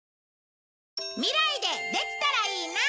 未来でできたらいいな。